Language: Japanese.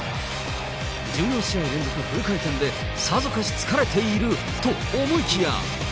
１４試合連続フル回転でさぞかし疲れていると思いきや。